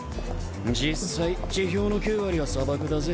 実際地表の９割は砂漠だぜ。